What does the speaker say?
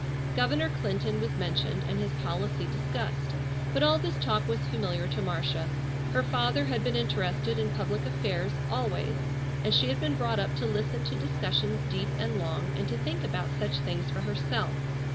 Governor Clinton was mentioned and his policy discussed. But all this talk was familiar to Marcia. Her father had been interested in public affairs always, and she had been brought up to listen to discussions deep and long, and to think about such things for herself.